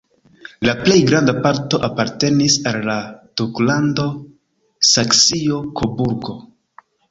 La plej granda parto apartenis al la duklando Saksio-Koburgo.